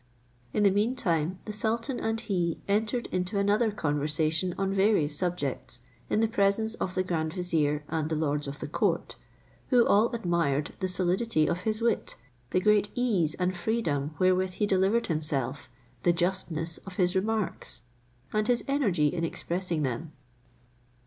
In the mean time the sultan and he entered into another conversation on various subjects, in the presence of the grand vizier and the lords of the court, who all admired the solidity of his wit, the great ease and freedom wherewith he delivered himself, the justness of his remarks, and his energy in expressing them.